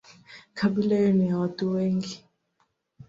Kabila hiyo ni ya watu wengi